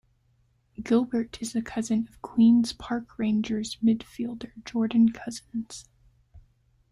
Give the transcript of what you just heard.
Gilbert is the cousin of Queens Park Rangers midfielder Jordan Cousins.